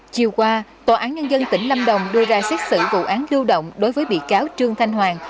chiều qua tòa án nhân dân tỉnh lâm đồng đưa ra xét xử vụ án lưu động đối với bị cáo trương thanh hoàng